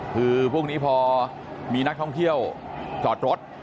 คือพวกนี้พอมีนักท่องเที่ยวเผาะรถใช่ไหม